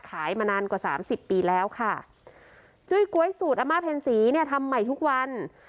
มานานกว่าสามสิบปีแล้วค่ะจุ้ยก๊วยสูตรอาม่าเพ็ญศรีเนี่ยทำใหม่ทุกวัน